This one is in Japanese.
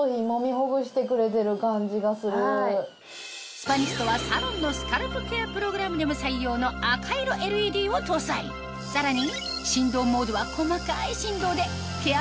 スパニストはサロンのスカルプケアプログラムでも採用の赤色ＬＥＤを搭載さらに